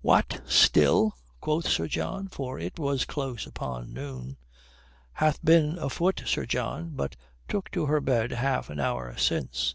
"What, still?" quoth Sir John, for it was close upon noon. "Hath been afoot, Sir John. But took to her bed half an hour since."